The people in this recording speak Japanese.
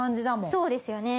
そうですよね。